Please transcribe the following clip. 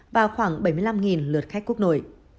và khoảng bảy mươi năm lượt khách quốc nội